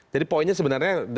jadi poinnya sebenarnya